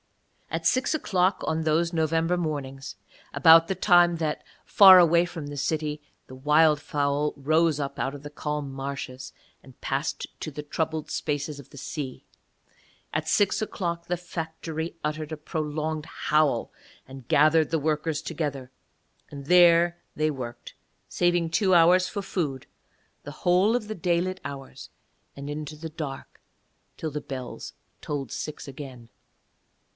At six o'clock on those November mornings, about the time that, far away from the city, the wildfowl rose up out of the calm marshes and passed to the troubled spaces of the sea, at six o'clock the factory uttered a prolonged howl and gathered the workers together, and there they worked, saving two hours for food, the whole of the daylit hours and into the dark till the bells tolled six again.